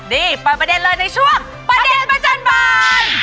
นี่เปิดประเด็นเลยในช่วงประเด็นประจำบาน